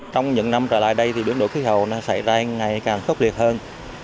trong những năm trở lại đây thì biến đổi khí hậu xảy ra ngày càng khốc liệt hơn